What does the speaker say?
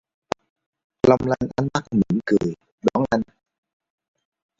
Long lanh ánh mắt mỉm cười...đón anh.